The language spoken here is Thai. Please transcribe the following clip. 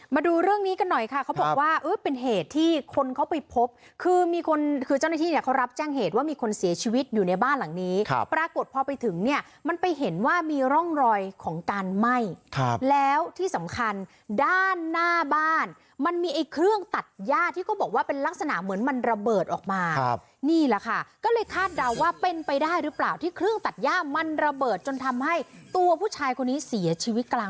มาดูเรื่องนี้กันหน่อยค่ะเขาบอกว่าเป็นเหตุที่คนเขาไปพบคือมีคนคือเจ้าหน้าที่เนี่ยเขารับแจ้งเหตุว่ามีคนเสียชีวิตอยู่ในบ้านหลังนี้ครับปรากฏพอไปถึงเนี่ยมันไปเห็นว่ามีร่องรอยของการไหม้ครับแล้วที่สำคัญด้านหน้าบ้านมันมีไอ้เครื่องตัดย่าที่ก็บอกว่าเป็นลักษณะเหมือนมันระเบิดออกมาครับนี่แหละ